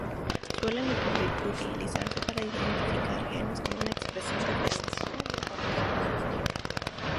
Suelen utilizarse para identificar genes con una expresión diferencial en condiciones distintas.